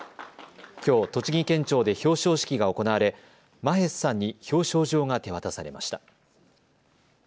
きょう栃木県庁で表彰式が行われマヘスさんに表彰状が手渡されました。